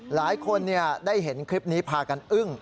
หลายคนได้เห็นคลิปนี้พากันอึ้ง